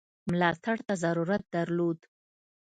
ملاتړ ته ضرورت درلود.